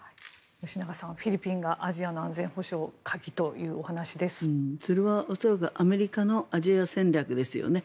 吉永さんはフィリピンがアジアの安全保障の鍵というそれは恐らくアメリカのアジア戦略ですよね。